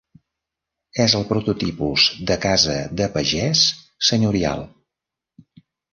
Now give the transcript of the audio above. És el prototipus de casa de pagès senyorial.